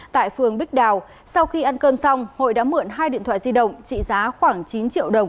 tại phường bích đào sau khi ăn cơm xong hội đã mượn hai điện thoại di động trị giá khoảng chín triệu đồng